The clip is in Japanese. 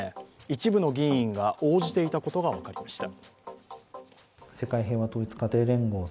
一部の議員が応じていたことが分かりました。